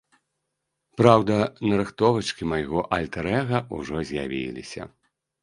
Праўда, нарыхтовачкі майго альтэр-эга ўжо з'явіліся.